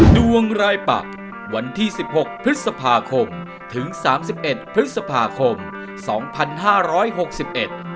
ดวงรายปักวันที่๑๖พฤษภาคมถึง๓๑พฤษภาคมสองพันห้าร้อยหกสิบเอ็ด